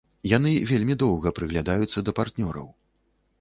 Яны вельмі доўга прыглядаюцца да партнёраў.